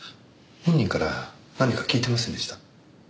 本人から何か聞いていませんでした？